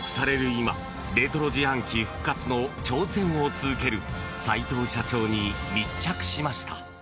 今レトロ自販機復活の挑戦を続ける齋藤社長に密着しました。